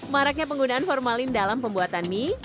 maraknya penggunaan formalin dalam pembuatan mie